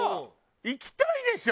行きたいでしょ？